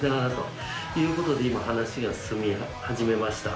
ことで今話が進み始めました